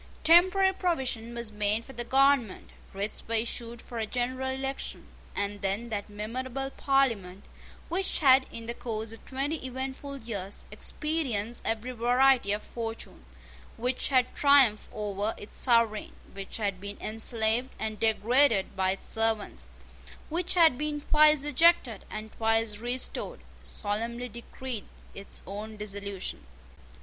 Temporary provision was made for the government: writs were issued for a general election; and then that memorable Parliament, which had, in the course of twenty eventful years, experienced every variety of fortune, which had triumphed over its sovereign, which had been enslaved and degraded by its servants, which had been twice ejected and twice restored, solemnly decreed its own dissolution.